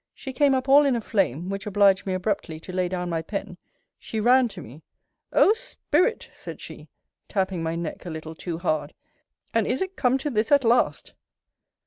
She came up all in a flame; which obliged me abruptly to lay down my pen: she ran to me O Spirit! said she; tapping my neck a little too hard. And is it come to this at last